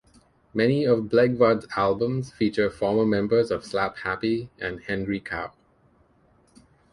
Many of Blegvad's albums feature former members of Slapp Happy and Henry Cow.